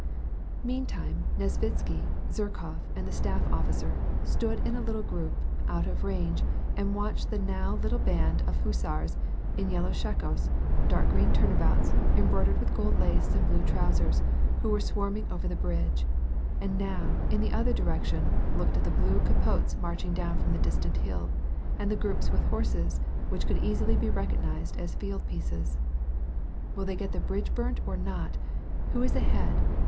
Meantime, Nesvitsky, Zherkof, and the staff officer, stood in a little group, out of range, and watched now the little band of hussars, in yellow shakos, dark green roundabouts, embroidered with gold lace, and blue trousers, who were swarming over the bridge, and now, in the other direction, looked at the blue capotes marching down from the distant hill, and the groups with horses, which could easily be recognized as tield pieces. " Will they get the bridge burnt, or not ? Who is ahead